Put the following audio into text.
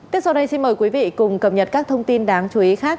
tiếp sau đây xin mời quý vị cùng cập nhật các thông tin đáng chú ý khác